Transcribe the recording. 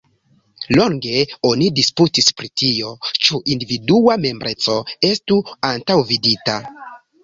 Longe oni disputis pri tio, ĉu individua membreco estu antaŭvidita.